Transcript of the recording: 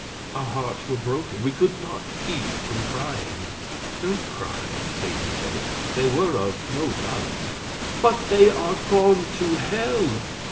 Our hearts were broken; we could not keep from crying. "Don't cry," Satan said; "they were of no value." "But they are gone to hell!"